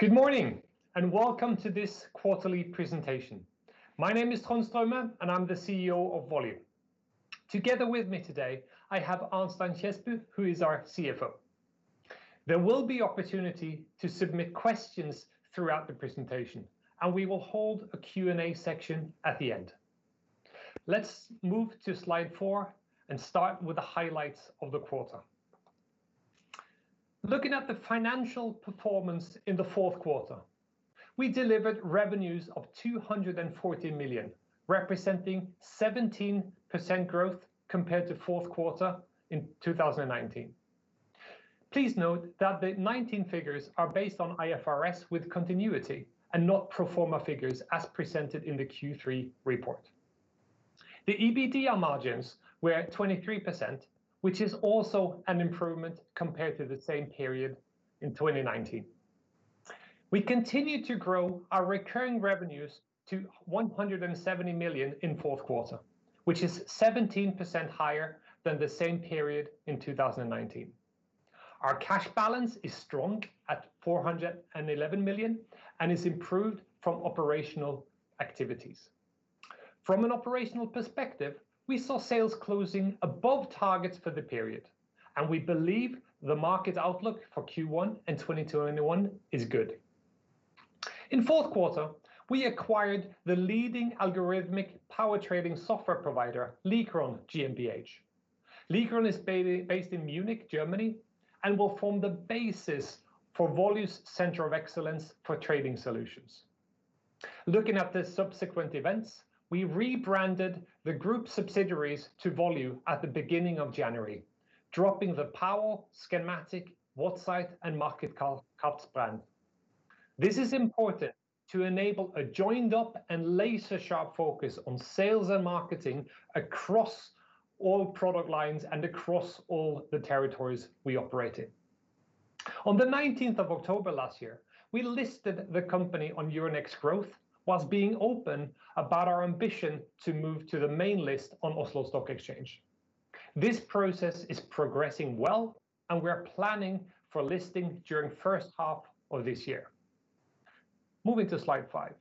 Good morning, and welcome to this quarterly presentation. My name is Trond Straume, and I'm the CEO of Volue. Together with me today, I have Arnstein Kjesbu, who is our CFO. There will be opportunity to submit questions throughout the presentation, and we will hold a Q&A section at the end. Let's move to slide four and start with the highlights of the quarter. Looking at the financial performance in the fourth quarter, we delivered revenues of 240 million, representing 17% growth compared to fourth quarter in 2019. Please note that the 2019 figures are based on IFRS with continuity and not pro forma figures as presented in the Q3 report. The EBITDA margins were at 23%, which is also an improvement compared to the same period in 2019. We continue to grow our recurring revenues to 170 million in fourth quarter, which is 17% higher than the same period in 2019. Our cash balance is strong at 411 million and is improved from operational activities. From an operational perspective, we saw sales closing above targets for the period, and we believe the market outlook for Q1 in 2021 is good. In fourth quarter, we acquired the leading algorithmic power trading software provider, Likron GmbH. Likron is based in Munich, Germany, and will form the basis for Volue's center of excellence for trading solutions. Looking at the subsequent events, we rebranded the group subsidiaries to Volue at the beginning of January, dropping the Powel, Scanmatic, Wattsight, and Markedskraft brand. This is important to enable a joined-up and laser-sharp focus on sales and marketing across all product lines and across all the territories we operate in. On the 19th October last year, we listed the company on Euronext Growth whilst being open about our ambition to move to the main list on Oslo Stock Exchange. This process is progressing well, and we are planning for listing during first half of this year. Moving to slide five.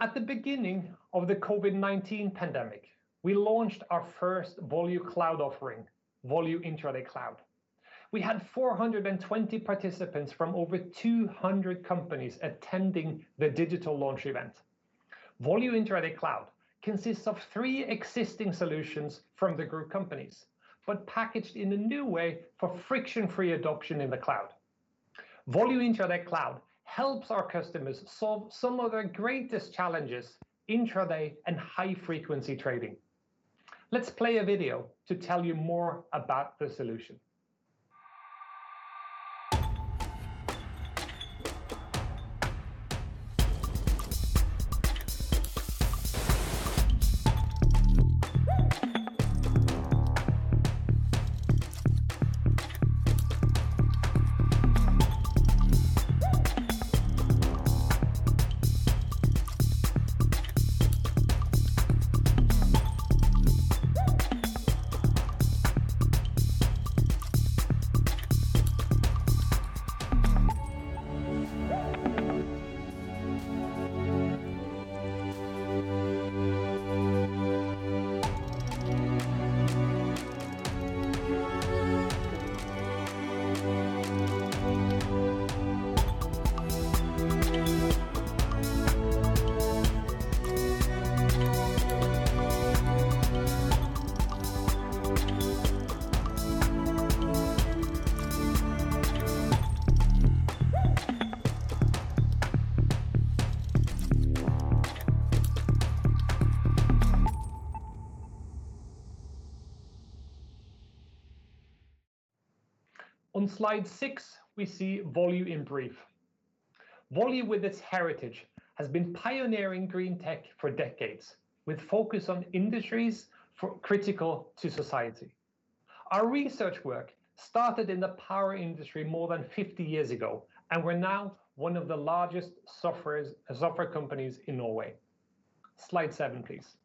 At the beginning of the COVID-19 pandemic, we launched our first Volue cloud offering, Volue Intraday Cloud. We had 420 participants from over 200 companies attending the digital launch event. Volue Intraday Cloud consists of three existing solutions from the group companies, but packaged in a new way for friction-free adoption in the cloud. Volue Intraday Cloud helps our customers solve some of their greatest challenges, intraday and high-frequency trading. Let's play a video to tell you more about the solution. On slide six, we see Volue in brief. Volue, with its heritage, has been pioneering green tech for decades, with focus on industries critical to society. Our research work started in the power industry more than 50 years ago, and we're now one of the largest software companies in Norway. Slide seven, please.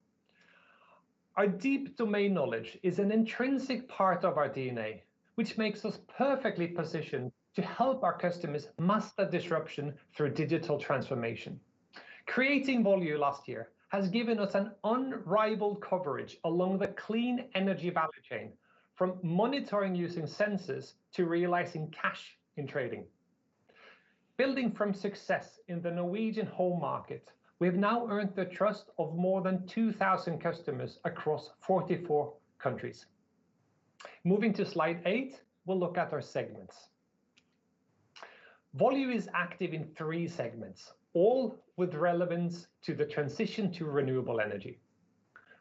Our deep domain knowledge is an intrinsic part of our DNA, which makes us perfectly positioned to help our customers master disruption through digital transformation. Creating Volue last year has given us an unrivaled coverage along the clean energy value chain, from monitoring using sensors to realizing cash in trading. Building from success in the Norwegian home market, we have now earned the trust of more than 2,000 customers across 44 countries. Moving to slide eight, we'll look at our segments. Volue is active in three segments, all with relevance to the transition to renewable energy.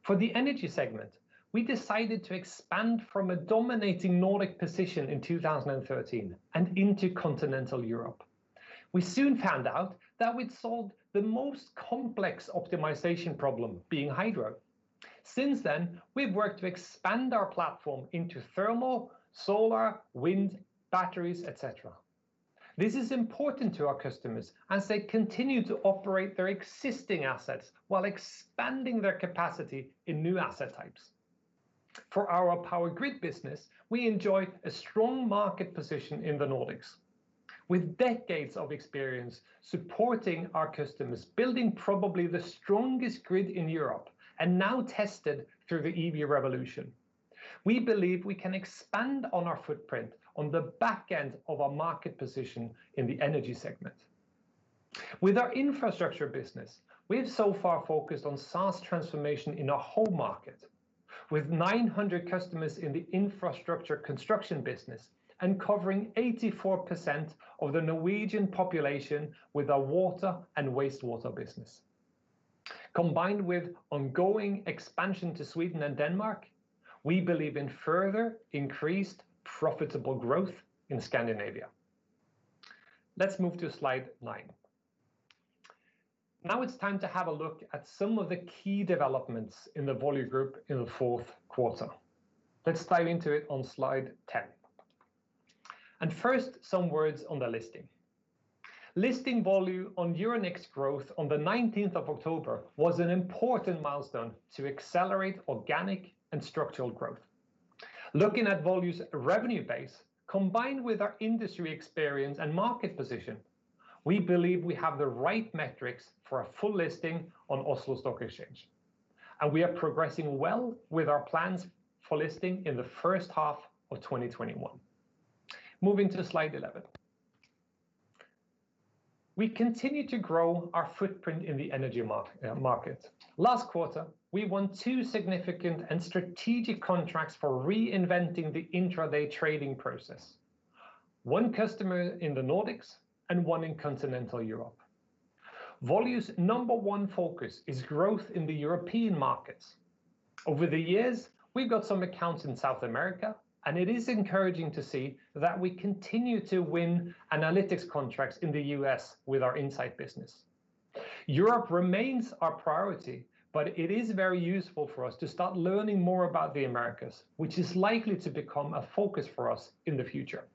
For the energy segment, we decided to expand from a dominating Nordic position in 2013 and into continental Europe. We soon found out that we'd solved the most complex optimization problem, being hydro. Since then, we've worked to expand our platform into thermal, solar, wind, batteries, et cetera. This is important to our customers as they continue to operate their existing assets while expanding their capacity in new asset types. For our power grid business, we enjoy a strong market position in the Nordics. With decades of experience supporting our customers, building probably the strongest grid in Europe, and now tested through the EV revolution. We believe we can expand on our footprint on the back end of our market position in the energy segment. With our infrastructure business, we have so far focused on SaaS transformation in our home market, with 900 customers in the infrastructure construction business and covering 84% of the Norwegian population with our water and wastewater business. Combined with ongoing expansion to Sweden and Denmark, we believe in further increased profitable growth in Scandinavia. Let's move to slide nine. Now it's time to have a look at some of the key developments in the Volue group in the fourth quarter. Let's dive into it on slide 10. First, some words on the listing. Listing Volue on Euronext Growth on the 19th October was an important milestone to accelerate organic and structural growth. Looking at Volue's revenue base, combined with our industry experience and market position, we believe we have the right metrics for a full listing on Oslo Stock Exchange, and we are progressing well with our plans for listing in the first half of 2021. Moving to slide 11. We continue to grow our footprint in the energy market. Last quarter, we won two significant and strategic contracts for reinventing the intraday trading process. One customer in the Nordics and one in Continental Europe. Volue's number one focus is growth in the European markets. Over the years, we've got some accounts in South America, and it is encouraging to see that we continue to win analytics contracts in the U.S. with our insight business. Europe remains our priority. It is very useful for us to start learning more about the Americas, which is likely to become a focus for us in the future.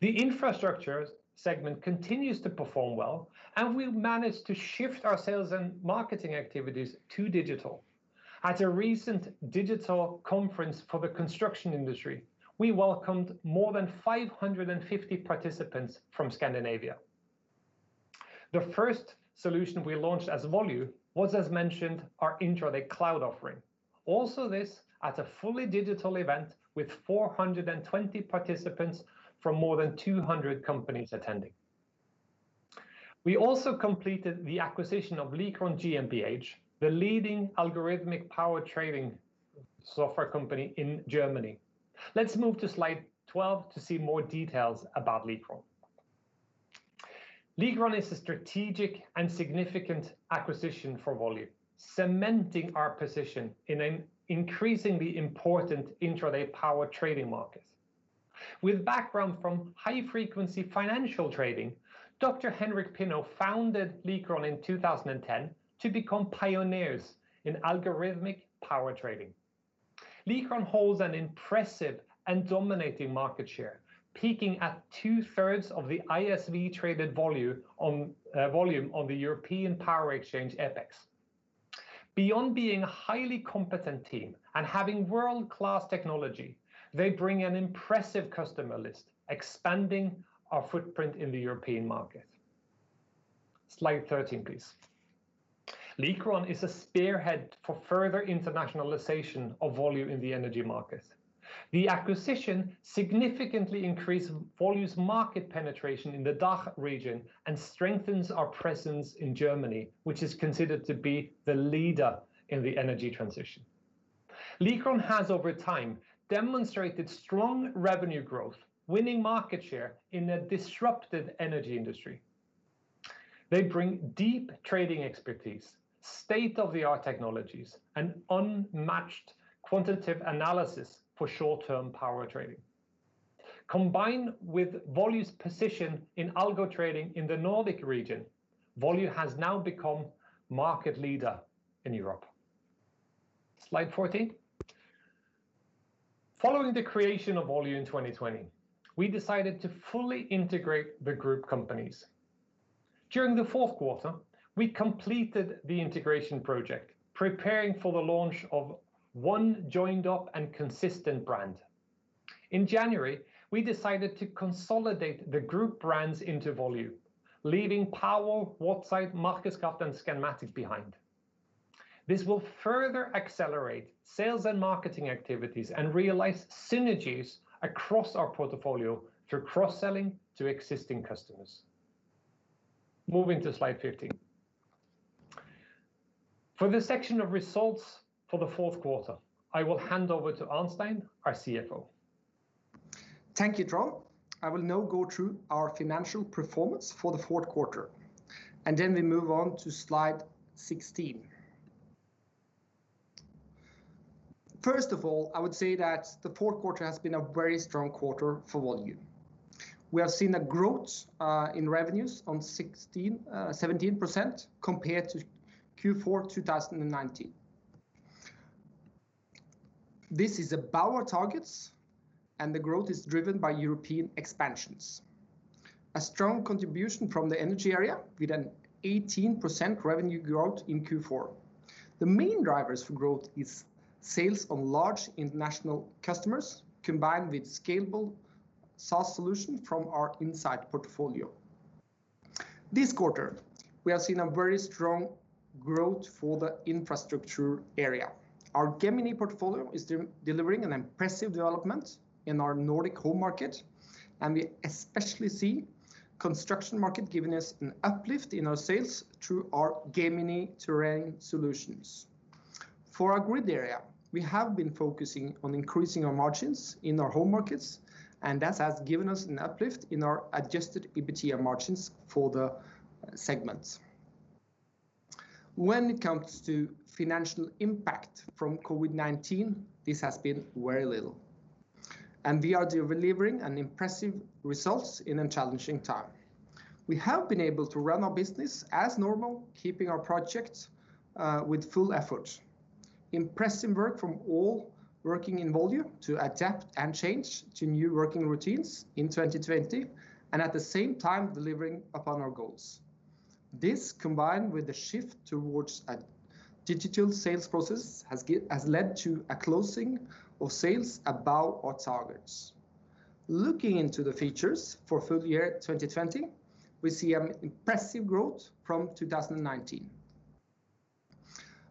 The infrastructure segment continues to perform well. We've managed to shift our sales and marketing activities to digital. At a recent digital conference for the construction industry, we welcomed more than 550 participants from Scandinavia. The first solution we launched as Volue was, as mentioned, our Intraday Cloud offering. Also this at a fully digital event with 420 participants from more than 200 companies attending. We also completed the acquisition of Likron GmbH, the leading algorithmic power trading software company in Germany. Let's move to slide 12 to see more details about Likron. Likron is a strategic and significant acquisition for Volue, cementing our position in an increasingly important intraday power trading market. With background from high-frequency financial trading, Dr. Henryk Pinnow founded Likron in 2010 to become pioneers in algorithmic power trading. Likron holds an impressive and dominating market share, peaking at 2/3 of the ISV traded volume on the European Power Exchange, EPEX. Beyond being a highly competent team and having world-class technology, they bring an impressive customer list, expanding our footprint in the European market. Slide 13, please. Likron is a spearhead for further internationalization of Volue in the energy market. The acquisition significantly increased Volue's market penetration in the DACH region and strengthens our presence in Germany, which is considered to be the leader in the energy transition. Likron has, over time, demonstrated strong revenue growth, winning market share in a disrupted energy industry. They bring deep trading expertise, state-of-the-art technologies, and unmatched quantitative analysis for short-term power trading. Combined with Volue's position in algo trading in the Nordic region, Volue has now become market leader in Europe. Slide 14. Following the creation of Volue in 2020, we decided to fully integrate the group companies. During the fourth quarter, we completed the integration project, preparing for the launch of one joined up and consistent brand. In January, we decided to consolidate the group brands into Volue, leaving Powel, Wattsight, Markedskraft, and Scanmatic behind. This will further accelerate sales and marketing activities and realize synergies across our portfolio through cross-selling to existing customers. Moving to slide 15. For the section of results for the fourth quarter, I will hand over to Arnstein, our CFO. Thank you, Trond. I will now go through our financial performance for the fourth quarter, and then we move on to slide 16. First of all, I would say that the fourth quarter has been a very strong quarter for Volue. We have seen a growth in revenues on 17% compared to Q4 2019. This is above our targets, and the growth is driven by European expansions. A strong contribution from the energy area with an 18% revenue growth in Q4. The main drivers for growth is sales on large international customers, combined with scalable SaaS solution from our insight portfolio. This quarter, we have seen a very strong growth for the infrastructure area. Our Gemini portfolio is delivering an impressive development in our Nordic home market, and we especially see construction market giving us an uplift in our sales through our Gemini Terrain solutions. For our grid area, we have been focusing on increasing our margins in our home markets, and that has given us an uplift in our adjusted EBITDA margins for the segments. When it comes to financial impact from COVID-19, this has been very little, and we are delivering an impressive results in a challenging time. We have been able to run our business as normal, keeping our projects with full effort. Impressive work from all working in Volue to adapt and change to new working routines in 2020, and at the same time delivering upon our goals. This, combined with the shift towards a digital sales process, has led to a closing of sales above our targets. Looking into the features for full year 2020, we see an impressive growth from 2019.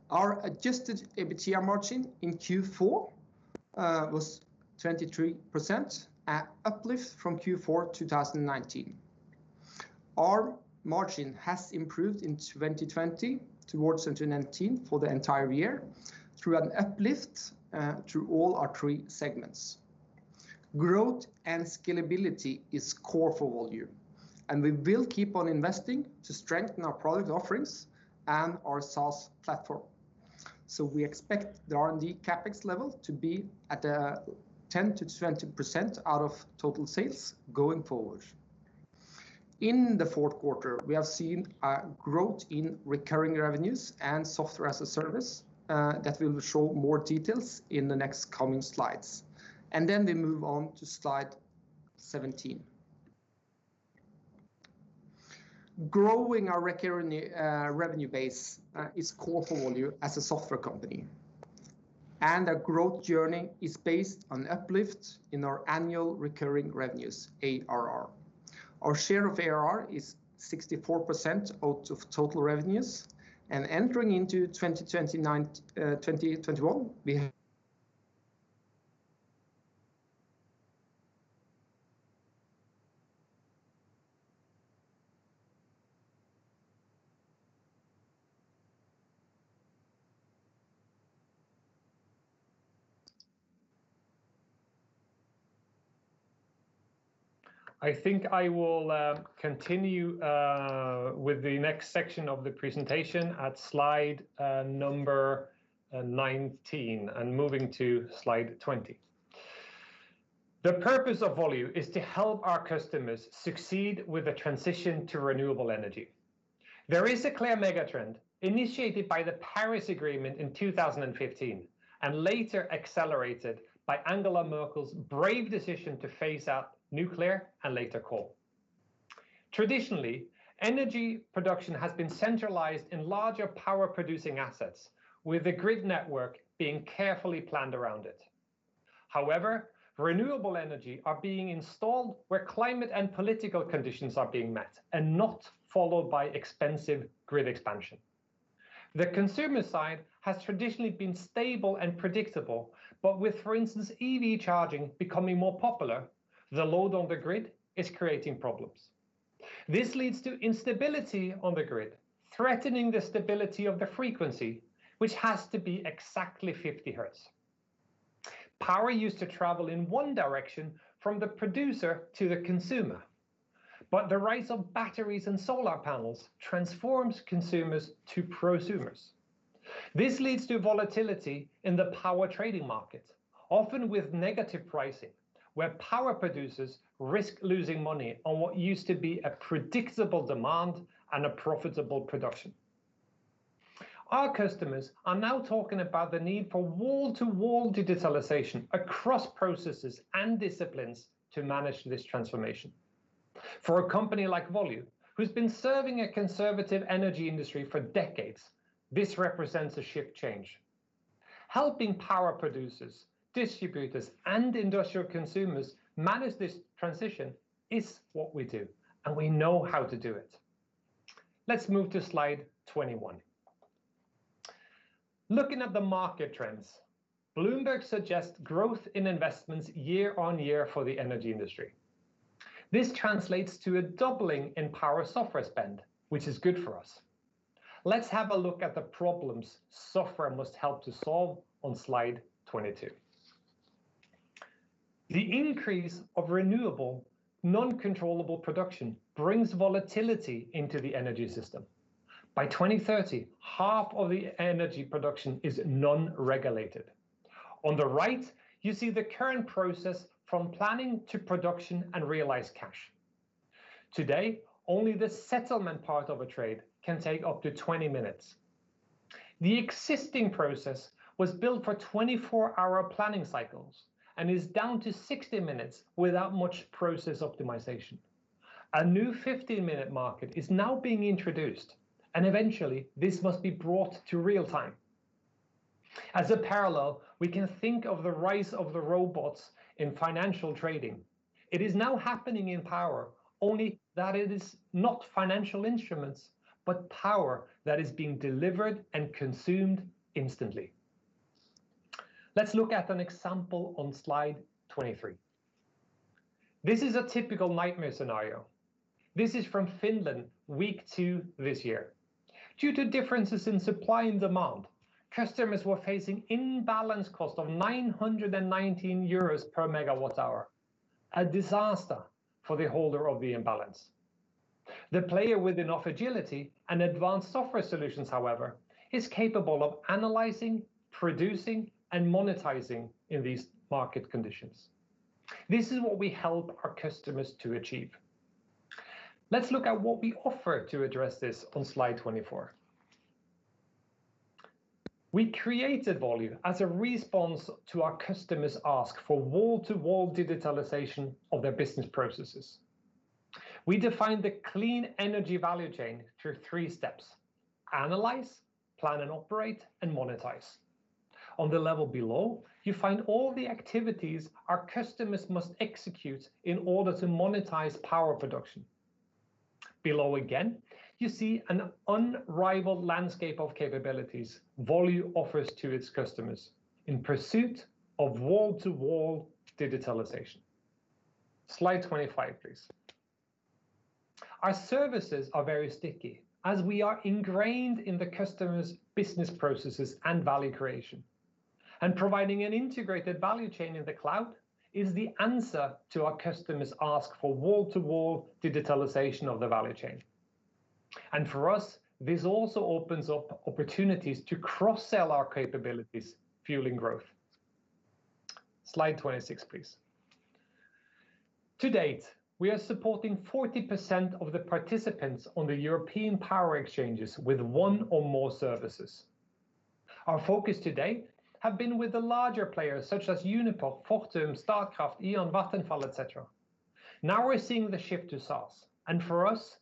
Our adjusted EBITDA margin in Q4 was 23%, an uplift from Q4 2019. Our margin has improved in 2020 towards 2019 for the entire year through an uplift through all our three segments. Growth and scalability is core for Volue. We will keep on investing to strengthen our product offerings and our SaaS platform. We expect the R&D CapEx level to be at 10%-20% out of total sales going forward. In the fourth quarter, we have seen a growth in recurring revenues and software as a service that we will show more details in the next coming slides. We move on to slide 17. Growing our recurring revenue base is core for Volue as a software company. Our growth journey is based on uplift in our annual recurring revenues, ARR. Our share of ARR is 64% out of total revenues. Entering into 2021, we have. I think I will continue with the next section of the presentation at slide number 19, and moving to slide 20. The purpose of Volue is to help our customers succeed with the transition to renewable energy. There is a clear mega trend initiated by the Paris Agreement in 2015 and later accelerated by Angela Merkel's brave decision to phase out nuclear and later coal. Traditionally, energy production has been centralized in larger power producing assets, with the grid network being carefully planned around it. Renewable energy are being installed where climate and political conditions are being met and not followed by expensive grid expansion. The consumer side has traditionally been stable and predictable but with, for instance, EV charging becoming more popular, the load on the grid is creating problems. This leads to instability on the grid, threatening the stability of the frequency, which has to be exactly 50 Hz. Power used to travel in one direction from the producer to the consumer. The rise of batteries and solar panels transforms consumers to prosumers. This leads to volatility in the power trading market, often with negative pricing, where power producers risk losing money on what used to be a predictable demand and a profitable production. Our customers are now talking about the need for wall-to-wall digitalization across processes and disciplines to manage this transformation. For a company like Volue, who's been serving a conservative energy industry for decades, this represents a shift change. Helping power producers, distributors, and industrial consumers manage this transition is what we do. We know how to do it. Let's move to slide 21. Looking at the market trends, Bloomberg suggests growth in investments year-over-year for the energy industry. This translates to a doubling in power software spend, which is good for us. Let's have a look at the problems software must help to solve on slide 22. The increase of renewable, non-controllable production brings volatility into the energy system. By 2030, half of the energy production is non-regulated. On the right, you see the current process from planning to production and realized cash. Today, only the settlement part of a trade can take up to 20 minutes. The existing process was built for 24-hour planning cycles and is down to 60 minutes without much process optimization. A new 15-minute market is now being introduced, eventually this must be brought to real time. As a parallel, we can think of the rise of the robots in financial trading. It is now happening in power, only that it is not financial instruments, but power that is being delivered and consumed instantly. Let's look at an example on slide 23. This is a typical nightmare scenario. This is from Finland, week two this year. Due to differences in supply and demand, customers were facing imbalance cost of 919 euros per megawatt hour, a disaster for the holder of the imbalance. The player with enough agility and advanced software solutions, however, is capable of analyzing, producing, and monetizing in these market conditions. This is what we help our customers to achieve. Let's look at what we offer to address this on slide 24. We created Volue as a response to our customers' ask for wall-to-wall digitalization of their business processes. We define the clean energy value chain through three steps: analyze, plan and operate, and monetize. On the level below, you find all the activities our customers must execute in order to monetize power production. Below again, you see an unrivaled landscape of capabilities Volue offers to its customers in pursuit of wall-to-wall digitalization. Slide 25, please. Our services are very sticky, as we are ingrained in the customer's business processes and value creation. Providing an integrated value chain in the cloud is the answer to our customer's ask for wall-to-wall digitalization of the value chain. For us, this also opens up opportunities to cross-sell our capabilities, fueling growth. Slide 26, please. To date, we are supporting 40% of the participants on the European Power Exchanges with one or more services. Our focus today have been with the larger players such as Uniper, Fortum, Statkraft, E.ON, Vattenfall, et cetera. Now we're seeing the shift to SaaS, and for us,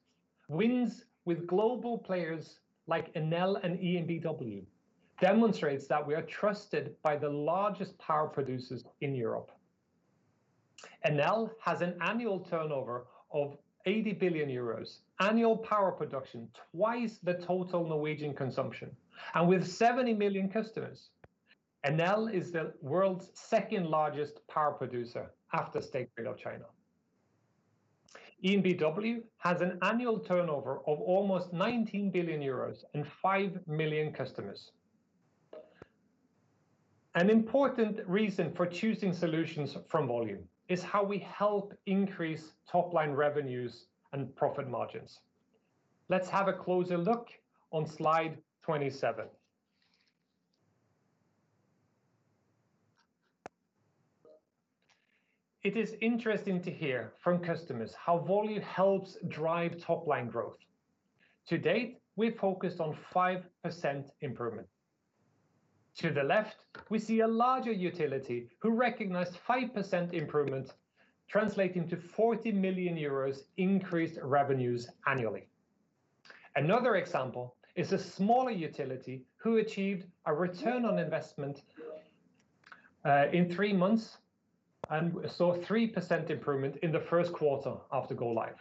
wins with global players like Enel and EnBW demonstrates that we are trusted by the largest power producers in Europe. Enel has an annual turnover of 80 billion euros, annual power production twice the total Norwegian consumption, and with 70 million customers. Enel is the world's second-largest power producer after State Grid of China. EnBW has an annual turnover of almost 19 billion euros and five million customers. An important reason for choosing solutions from Volue is how we help increase top-line revenues and profit margins. Let's have a closer look on slide 27. It is interesting to hear from customers how Volue helps drive top-line growth. To date, we're focused on 5% improvement. To the left, we see a larger utility who recognized 5% improvement translating to 40 million euros increased revenues annually. Another example is a smaller utility who achieved a return on investment, in three months, and saw 3% improvement in the first quarter after go live.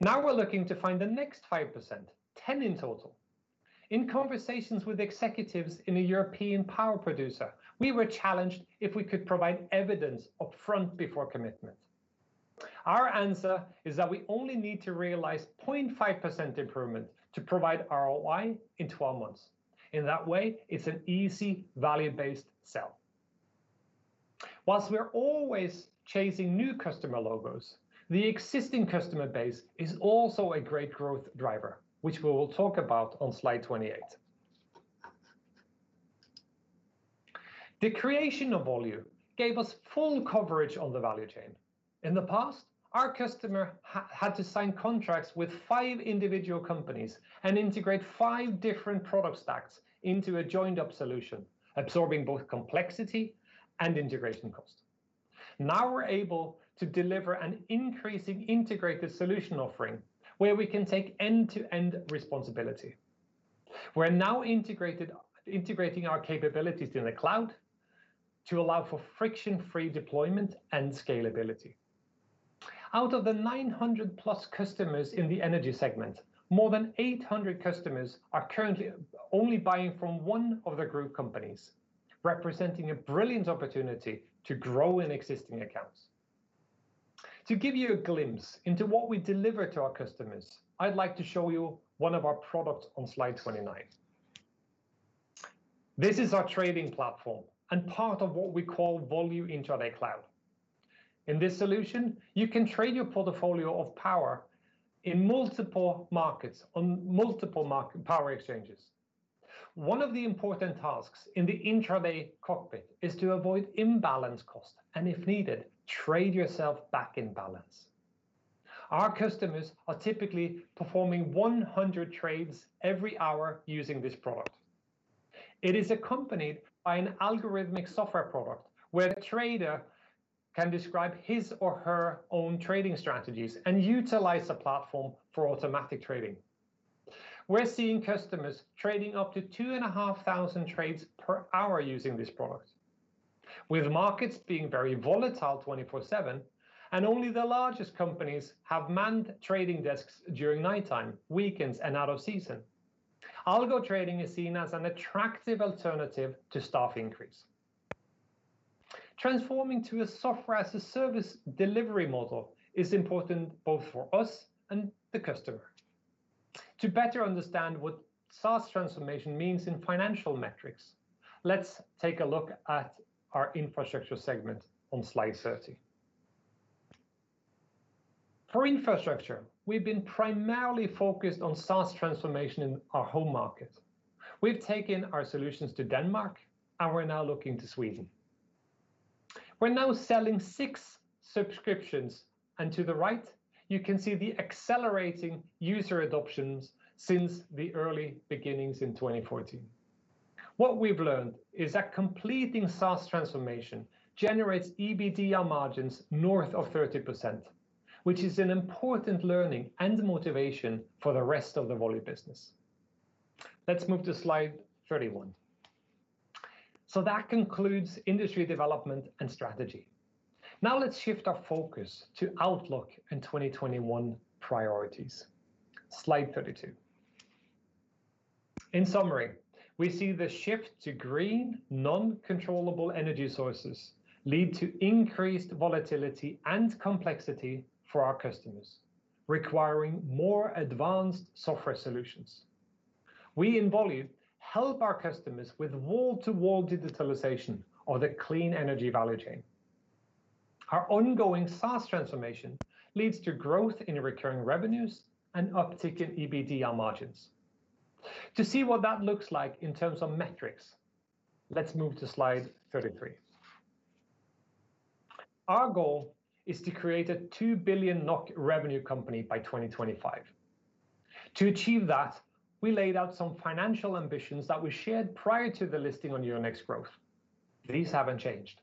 Now we're looking to find the next 5%, 10% in total. In conversations with executives in a European power producer, we were challenged if we could provide evidence upfront before commitment. Our answer is that we only need to realize 0.5% improvement to provide ROI in 12 months. In that way, it's an easy value-based sell. While we are always chasing new customer logos, the existing customer base is also a great growth driver, which we will talk about on slide 28. The creation of Volue gave us full coverage on the value chain. In the past, our customer had to sign contracts with five individual companies and integrate five different product stacks into a joined-up solution, absorbing both complexity and integration cost. Now we're able to deliver an increasing integrated solution offering where we can take end-to-end responsibility. We're now integrating our capabilities in the cloud to allow for friction-free deployment and scalability. Out of the 900+ customers in the energy segment, more than 800 customers are currently only buying from one of the group companies, representing a brilliant opportunity to grow in existing accounts. To give you a glimpse into what we deliver to our customers, I'd like to show you one of our products on slide 29. This is our trading platform and part of what we call Volue Intraday Cloud. In this solution, you can trade your portfolio of power in multiple markets on multiple power exchanges. One of the important tasks in the Intraday cockpit is to avoid imbalance cost and, if needed, trade yourself back in balance. Our customers are typically performing 100 trades every hour using this product. It is accompanied by an algorithmic software product where the trader can describe his or her own trading strategies and utilize the platform for automatic trading. We're seeing customers trading up to 2,500 trades per hour using this product. With markets being very volatile 24/7, and only the largest companies have manned trading desks during nighttime, weekends, and out of season, algo trading is seen as an attractive alternative to staff increase. Transforming to a Software as a Service delivery model is important both for us and the customer. To better understand what SaaS transformation means in financial metrics, let's take a look at our infrastructure segment on slide 30. For infrastructure, we've been primarily focused on SaaS transformation in our home market. We've taken our solutions to Denmark, and we're now looking to Sweden. We're now selling six subscriptions, and to the right, you can see the accelerating user adoptions since the early beginnings in 2014. What we've learned is that completing SaaS transformation generates EBITDA margins north of 30%, which is an important learning and motivation for the rest of the Volue business. Let's move to slide 31. That concludes industry development and strategy. Now let's shift our focus to outlook and 2021 priorities. Slide 32. In summary, we see the shift to green, non-controllable energy sources lead to increased volatility and complexity for our customers, requiring more advanced software solutions. We in Volue help our customers with wall-to-wall digitalization of the clean energy value chain. Our ongoing SaaS transformation leads to growth in recurring revenues and uptick in EBITDA margins. To see what that looks like in terms of metrics, let's move to slide 33. Our goal is to create a 2 billion NOK revenue company by 2025. To achieve that, we laid out some financial ambitions that were shared prior to the listing on Euronext Growth. These haven't changed.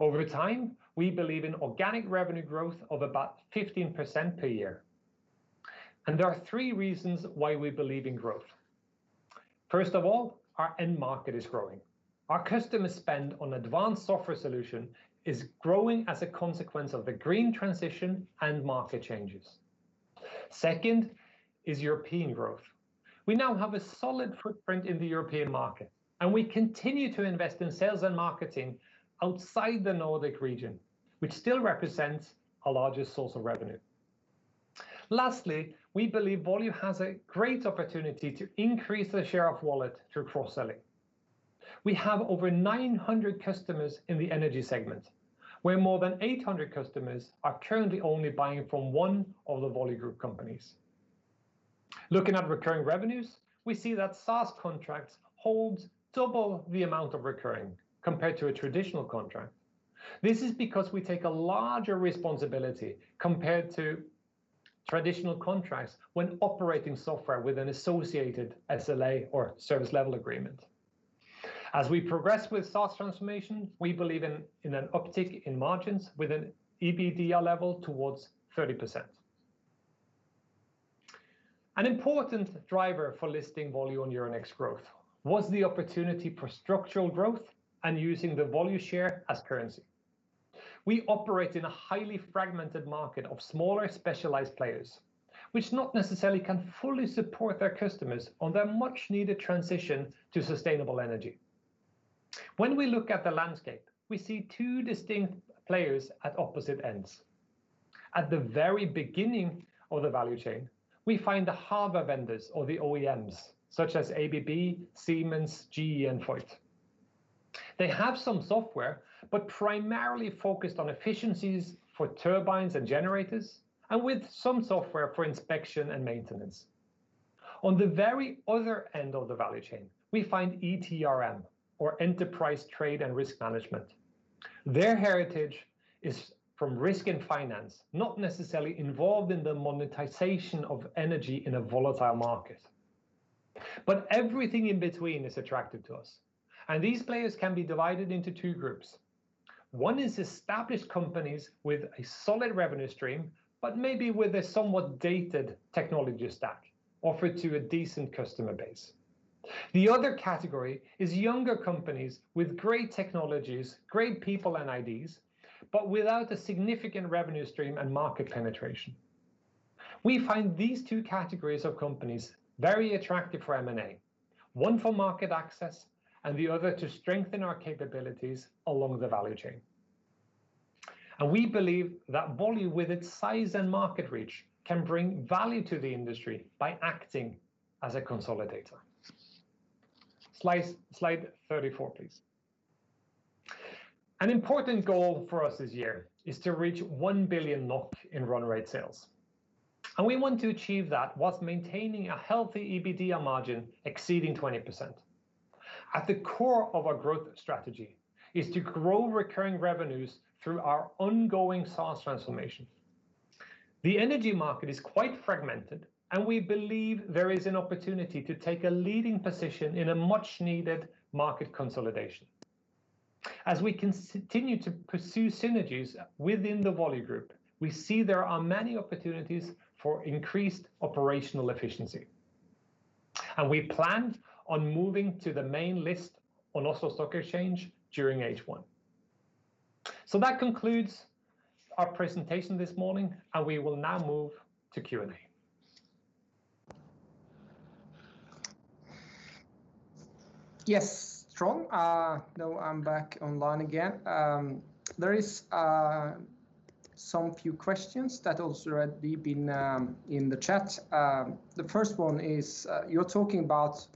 Over time, we believe in organic revenue growth of about 15% per year. There are three reasons why we believe in growth. First of all, our end market is growing. Our customer spend on advanced software solution is growing as a consequence of the green transition and market changes. Second is European growth. We now have a solid footprint in the European market, and we continue to invest in sales and marketing outside the Nordic region, which still represents our largest source of revenue. Lastly, we believe Volue has a great opportunity to increase the share of wallet through cross-selling. We have over 900 customers in the energy segment, where more than 800 customers are currently only buying from one of the Volue group companies. Looking at recurring revenues, we see that SaaS contracts hold double the amount of recurring compared to a traditional contract. This is because we take a larger responsibility compared to traditional contracts when operating software with an associated SLA or service level agreement. As we progress with SaaS transformation, we believe in an uptick in margins with an EBITDA level towards 30%. An important driver for listing Volue on Euronext Growth was the opportunity for structural growth and using the Volue share as currency. We operate in a highly fragmented market of smaller specialized players, which not necessarily can fully support their customers on their much-needed transition to sustainable energy. When we look at the landscape, we see two distinct players at opposite ends. At the very beginning of the value chain, we find the hardware vendors or the OEMs, such as ABB, Siemens, GE, and Voith. They have some software, primarily focused on efficiencies for turbines and generators, and with some software for inspection and maintenance. On the very other end of the value chain, we find ETRM or Enterprise Trade and Risk Management. Their heritage is from risk and finance, not necessarily involved in the monetization of energy in a volatile market. Everything in between is attractive to us, and these players can be divided into two groups. One is established companies with a solid revenue stream, but maybe with a somewhat dated technology stack offered to a decent customer base. The other category is younger companies with great technologies, great people and ideas, but without a significant revenue stream and market penetration. We find these two categories of companies very attractive for M&A, one for market access, and the other to strengthen our capabilities along the value chain. We believe that Volue, with its size and market reach, can bring value to the industry by acting as a consolidator. Slide 34, please. An important goal for us this year is to reach 1 billion NOK in run rate sales. We want to achieve that whilst maintaining a healthy EBITDA margin exceeding 20%. At the core of our growth strategy is to grow recurring revenues through our ongoing SaaS transformation. The energy market is quite fragmented, and we believe there is an opportunity to take a leading position in a much-needed market consolidation. As we continue to pursue synergies within the Volue group, we see there are many opportunities for increased operational efficiency. We plan on moving to the main list on Oslo Stock Exchange during H1. That concludes our presentation this morning, and we will now move to Q&A. Yes, Trond. Now I'm back online again. There is some few questions that also have been in the chat. The first one is, you're talking about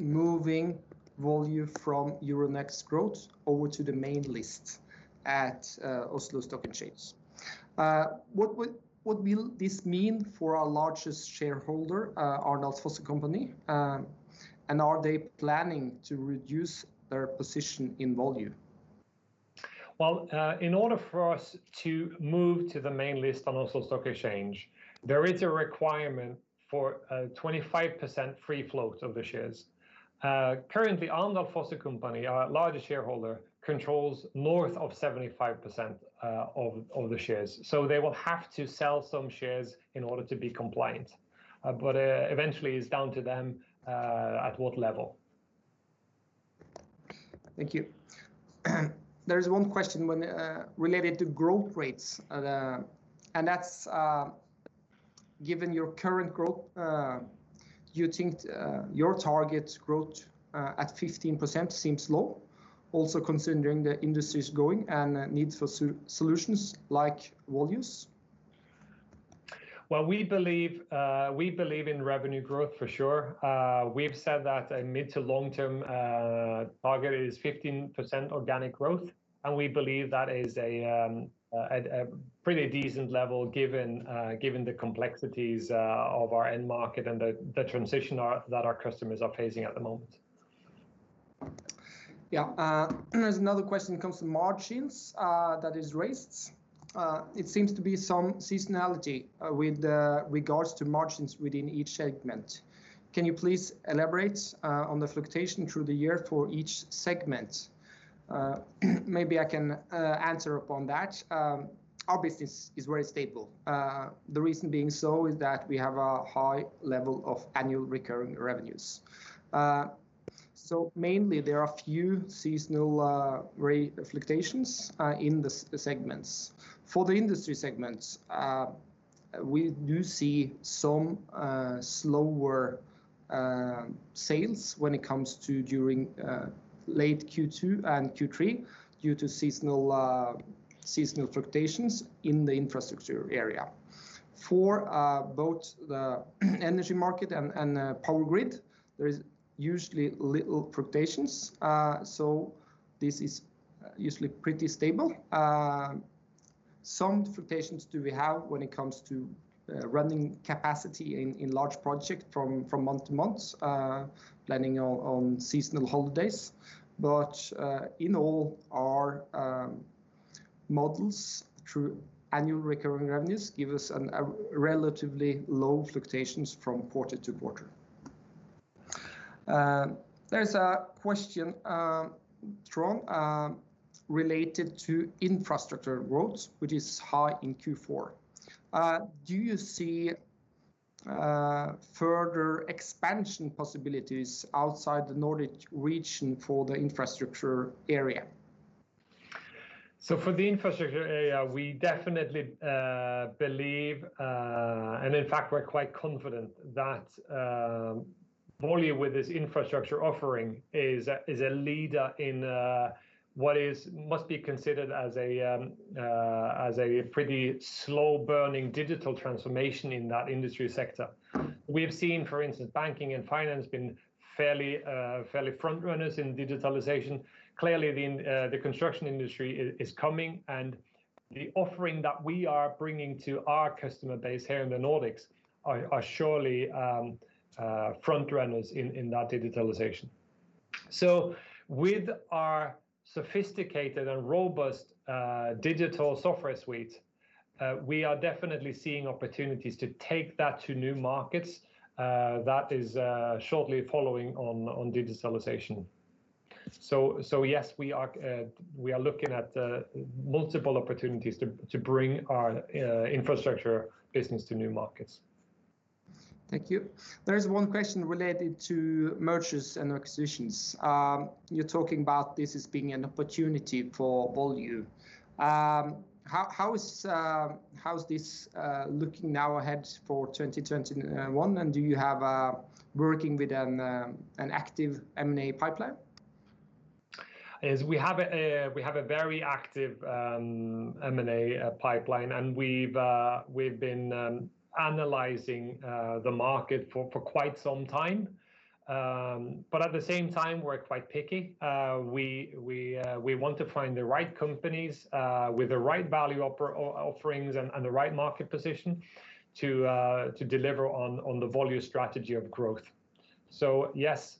moving Volue from Euronext Growth over to the main list at Oslo Stock Exchange. What will this mean for our largest shareholder, Arendals Fossekompani? Are they planning to reduce their position in Volue? Well, in order for us to move to the main list on Oslo Stock Exchange, there is a requirement for a 25% free float of the shares. Currently, Arendals Fossekompani, our largest shareholder, controls north of 75% of the shares. They will have to sell some shares in order to be compliant. Eventually, it's down to them at what level. Thank you. There's one question related to growth rates. That's, given your current growth, do you think your target growth at 15% seems low? Also considering the industry's going and need for solutions like Volue's? Well, we believe in revenue growth for sure. We've said that a mid to long-term target is 15% organic growth, and we believe that is a pretty decent level given the complexities of our end market and the transition that our customers are facing at the moment. Yeah. There's another question comes to margins that is raised. It seems to be some seasonality with regards to margins within each segment. Can you please elaborate on the fluctuation through the year for each segment? Maybe I can answer upon that. Our business is very stable. The reason being so is that we have a high level of Annual Recurring Revenues. Mainly, there are few seasonal rate fluctuations in the segments. For the industry segments, we do see some slower sales when it comes to during late Q2 and Q3 due to seasonal fluctuations in the infrastructure area. For both the energy market and the power grid, there is usually little fluctuations, this is usually pretty stable. Some fluctuations do we have when it comes to running capacity in large project from month to month, planning on seasonal holidays. In all our models, through annual recurring revenues give us a relatively low fluctuations from quarter to quarter. There is a question, Trond, related to infrastructure growth, which is high in Q4. Do you see further expansion possibilities outside the Nordic region for the infrastructure area? For the infrastructure area, we definitely believe, and in fact we're quite confident that Volue, with this infrastructure offering, is a leader in what must be considered as a pretty slow-burning digital transformation in that industry sector. We have seen, for instance, banking and finance been fairly front runners in digitalization. Clearly, the construction industry is coming, and the offering that we are bringing to our customer base here in the Nordics are surely front runners in that digitalization. With our sophisticated and robust digital software suite, we are definitely seeing opportunities to take that to new markets that is shortly following on digitalization. Yes, we are looking at multiple opportunities to bring our infrastructure business to new markets. Thank you. There's one question related to mergers and acquisitions. You're talking about this as being an opportunity for Volue. How's this looking now ahead for 2021, and do you have working with an active M&A pipeline? We have a very active M&A pipeline, and we've been analyzing the market for quite some time. At the same time, we're quite picky. We want to find the right companies with the right value offerings and the right market position to deliver on the Volue strategy of growth. Yes,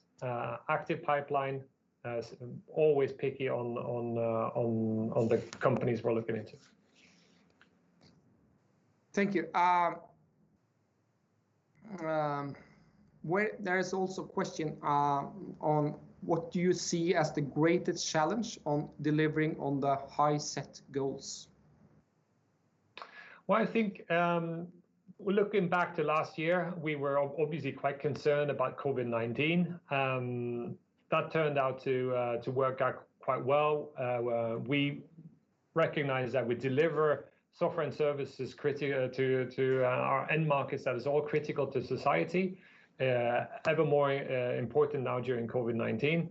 active pipeline. Always picky on the companies we're looking into. Thank you. There is also a question on what do you see as the greatest challenge on delivering on the high set goals? I think looking back to last year, we were obviously quite concerned about COVID-19. That turned out to work out quite well. We recognize that we deliver software and services critical to our end markets that is all critical to society. Ever more important now during COVID-19.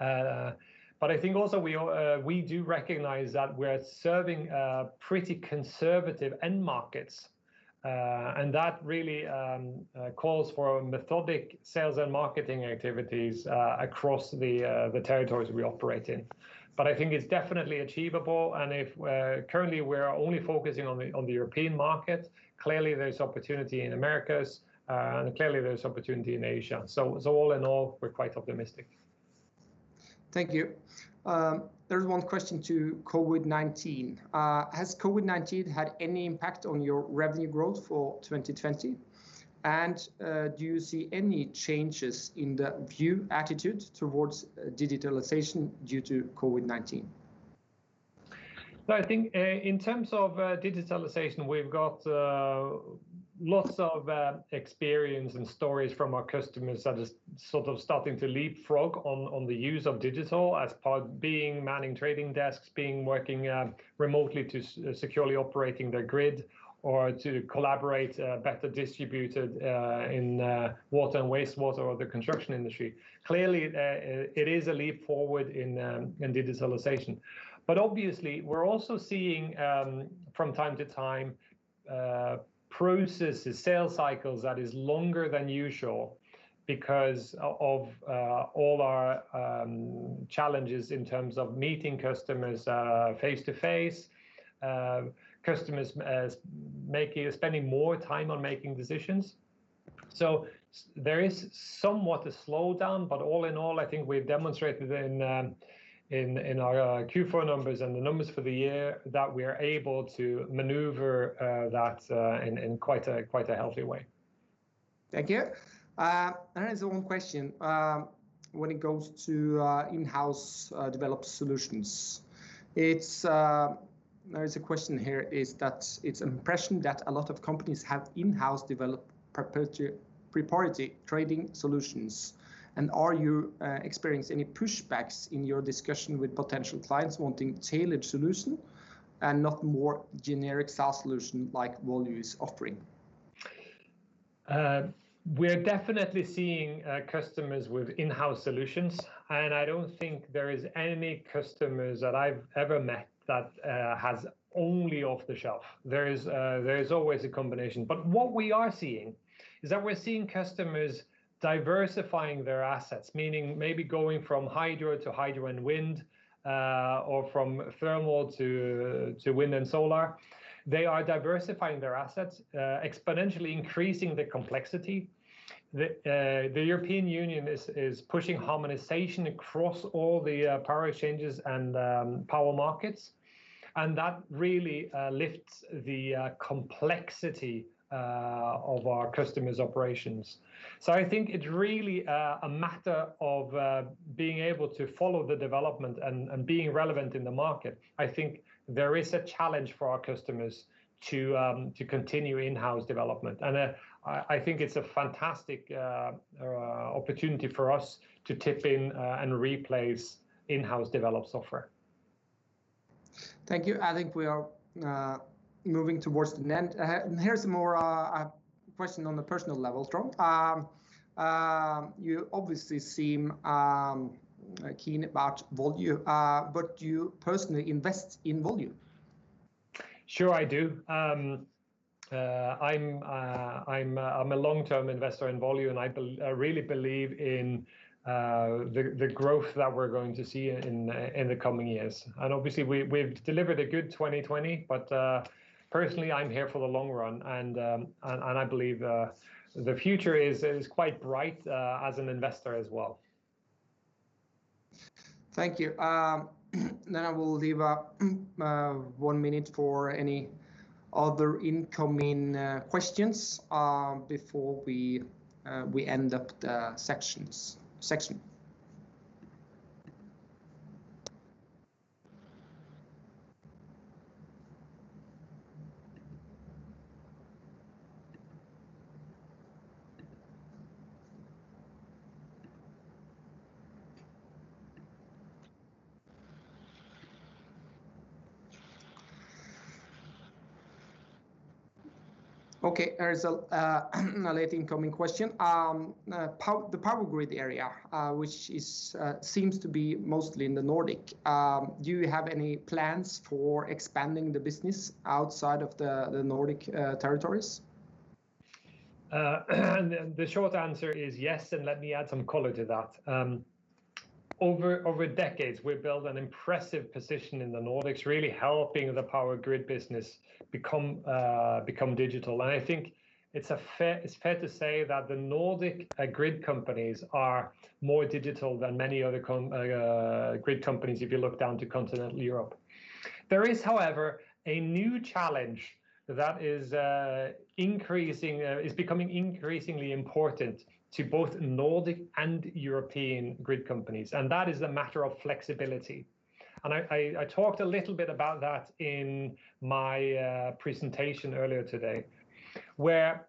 I think also we do recognize that we're serving pretty conservative end markets, and that really calls for methodic sales and marketing activities across the territories we operate in. I think it's definitely achievable, and currently we're only focusing on the European market. Clearly, there's opportunity in Americas, and clearly there's opportunity in Asia. All in all, we're quite optimistic. Thank you. There's one question to COVID-19. Has COVID-19 had any impact on your revenue growth for 2020? Do you see any changes in the view/attitude towards digitalization due to COVID-19? I think in terms of digitalization, we've got lots of experience and stories from our customers that are just sort of starting to leapfrog on the use of digital as part of being manning trading desks, working remotely to securely operating their grid, or to collaborate better distributed in water and wastewater or the construction industry. Clearly, it is a leap forward in digitalization. Obviously, we're also seeing, from time to time, processes, sales cycles that is longer than usual because of all our challenges in terms of meeting customers face-to-face. Customers are spending more time on making decisions. There is somewhat a slowdown, but all in all, I think we've demonstrated in our Q4 numbers and the numbers for the year that we're able to maneuver that in quite a healthy way. Thank you. There is one question when it comes to in-house developed solutions. There is a question here is that it's an impression that a lot of companies have in-house developed proprietary trading solutions. Are you experiencing any pushbacks in your discussion with potential clients wanting tailored solution and not more generic SaaS solution like Volue's offering? We're definitely seeing customers with in-house solutions, and I don't think there is any customers that I've ever met that has only off the shelf. There is always a combination. What we are seeing is that we're seeing customers diversifying their assets, meaning maybe going from hydro to hydro and wind, or from thermal to wind and solar. They are diversifying their assets, exponentially increasing the complexity. The European Union is pushing harmonization across all the power exchanges and power markets, and that really lifts the complexity of our customers' operations. I think it's really a matter of being able to follow the development and being relevant in the market. I think there is a challenge for our customers to continue in-house development. I think it's a fantastic opportunity for us to tip in and replace in-house developed software. Thank you. I think we are moving towards the end. Here's more a question on the personal level, Trond. You obviously seem keen about Volue. Do you personally invest in Volue? Sure I do. I'm a long-term investor in Volue, I really believe in the growth that we're going to see in the coming years. Obviously, we've delivered a good 2020. Personally, I'm here for the long run, and I believe the future is quite bright as an investor as well. Thank you. I will leave one minute for any other incoming questions before we end the session. There is a late incoming question. The power grid area, which seems to be mostly in the Nordic. Do you have any plans for expanding the business outside of the Nordic territories? The short answer is yes, and let me add some color to that. Over decades, we've built an impressive position in the Nordics, really helping the power grid business become digital. I think it's fair to say that the Nordic grid companies are more digital than many other grid companies if you look down to continental Europe. There is, however, a new challenge that is becoming increasingly important to both Nordic and European grid companies, and that is the matter of flexibility. I talked a little bit about that in my presentation earlier today. Where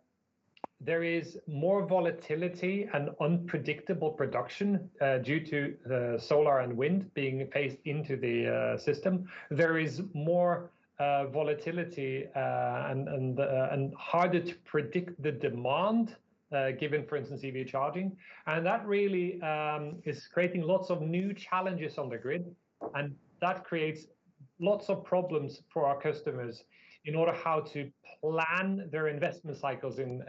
there is more volatility and unpredictable production due to the solar and wind being paced into the system. There is more volatility and harder to predict the demand, given, for instance, EV charging. That really is creating lots of new challenges on the grid, and that creates lots of problems for our customers in order how to plan their investment cycles in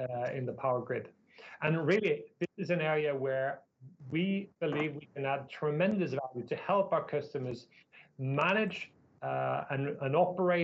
the power grid. Really, this is an area where we believe we can add tremendous value to help our customers manage and operate.